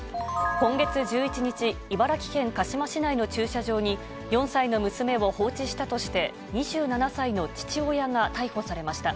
今月１１日、茨城県鹿嶋市内の駐車場に４歳の娘を放置したとして、２７歳の父親が逮捕されました。